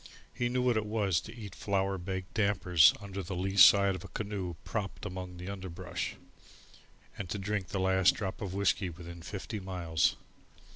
He knew what it was to eat flour baked dampers under the lee side of a canoe propped among the underbrush, and to drink the last drop of whiskey within fifty miles.